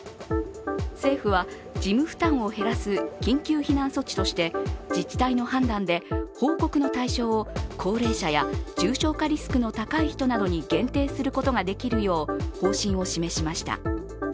政府は、事務負担を減らす緊急避難措置として自治体の判断で報告の対象を高齢者や重症化リスクの高い人などに限定することができるよう方針を示しました。